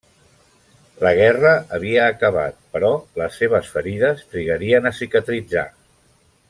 La guerra havia acabat, però les seves ferides trigarien a cicatritzar.